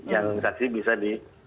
yang saksi bisa di